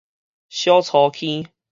小粗坑